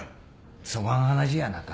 そがん話やなか。